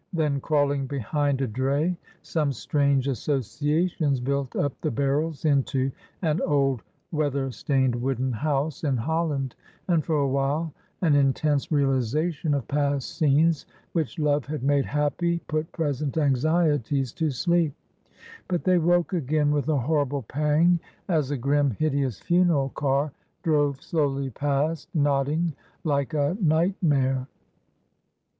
Then, crawling behind a dray, some strange associations built up the barrels into an old weatherstained wooden house in Holland, and for a while an intense realization of past scenes which love had made happy put present anxieties to sleep. But they woke again with a horrible pang, as a grim, hideous funeral car drove slowly past, nodding like a nightmare.